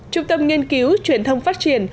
chủ tâm nghiên cứu truyền thông phát triển